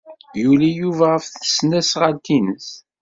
Yuli Yuba ɣef tesnasɣalt-nnes.